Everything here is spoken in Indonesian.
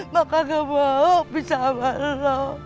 maka gak mau pisah sama lu